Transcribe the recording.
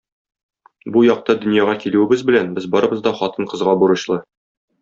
Бу якты дөньяга килүебез белән без барыбыз да хатын-кызга бурычлы.